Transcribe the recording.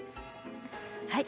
はい。